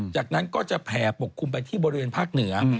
จากนั้นก็จะแผ่ปกคลุมไปที่บริเวณภาคเหนือ